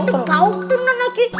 muntahnya tuh bau dokter nanaknya